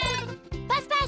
パスパス！